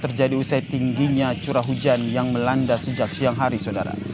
terjadi usai tingginya curah hujan yang melanda sejak siang hari saudara